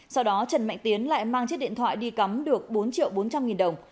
sau đó trần mạnh tiến lại mang chiếc điện thoại đi cắm được bốn triệu bốn trăm linh nghìn đồng